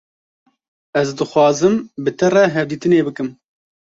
Ez dixwazim bi te re hevdîtinê bikim.